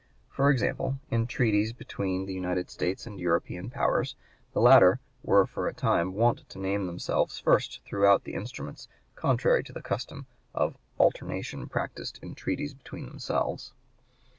For example, in treaties between the United States and European powers the latter were for a time wont to name themselves first throughout the instruments, contrary to the custom of alternation practised in treaties between themselves.